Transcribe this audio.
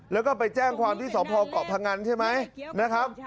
แล้วก็ไปแจ้งความที่สพเกาะพงันใช่ไหมนะครับ